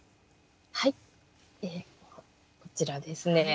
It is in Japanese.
はいこちらですね。